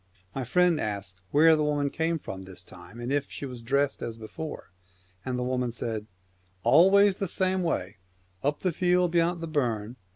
'" My friend asked where the woman came from this time, and if she was dressed as before, and the woman said, ' Always the same way, up the field beyant the burn.